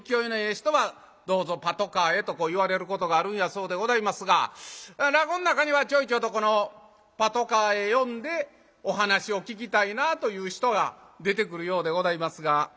人は「どうぞパトカーへ」とこう言われることがあるんやそうでございますが落語ん中にはちょいちょいとこのパトカーへ呼んでお話を聞きたいなあという人が出てくるようでございますが。